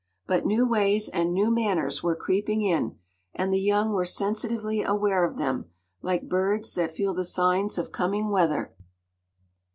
But new ways and new manners were creeping in, and the young were sensitively aware of them, like birds that feel the signs of coming weather.